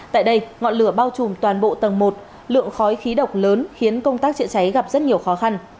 tại đây ngọn lửa bao trùm toàn bộ tầng một lượng khói khí độc lớn khiến công tác chữa cháy gặp rất nhiều khó khăn